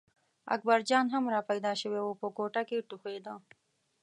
اکبرجان هم را پیدا شوی و په کوټه کې ټوخېده.